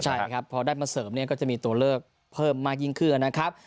ใช่ครับพอได้มาเสริมเนี่ยก็จะมีตัวเลือกเพิ่มมากยิ่งขึ้นนะครับ